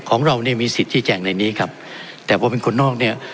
ของเราเนี่ยมีสิทธิแจ่งในนี้ครับแต่พอเป็นคนนอกเนี่ย